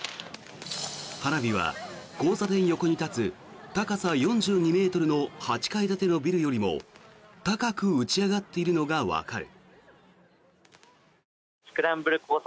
花火は交差点横に立つ高さ４２ｍの８階建てのビルよりも高く打ち上がっているのがわかる。